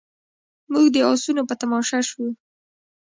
موږ د اسونو په تماشه شوو.